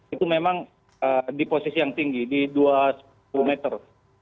itu memang di posisi yang tinggi di dua sepuluh meter